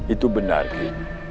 itu benar ki